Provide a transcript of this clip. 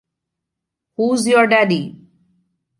Who's Your Daddy?